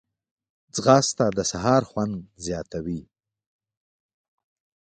ځغاسته د سهار خوند زیاتوي